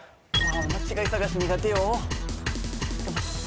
間違い探し苦手よ。